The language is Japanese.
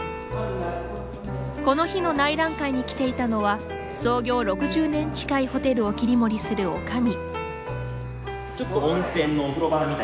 この日の内覧会に来ていたのは創業６０年近いホテルを切り盛りするおかみ。